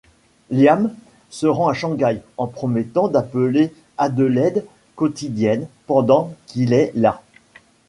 Liam se rend à Shanghai, en promettant d'appeler Adelaide quotidienne pendant qu'il est là.